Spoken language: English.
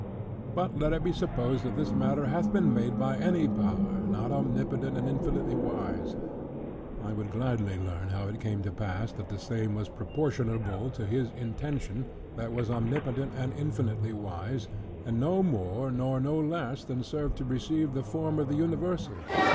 But let it be supposed, that this matter hath been made by any power, not omnipotent, and infinitely wise; I would gladly learn how it came to pass, that the same was proportionable to his intention, that was omnipotent and infinitely wise; and no more, nor no less, than served to receive the form of the universal.